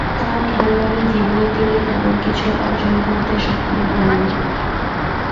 তার খেলোয়াড়ী জীবনে তিনি তেমন কিছু অর্জন করতে সমর্থ হননি।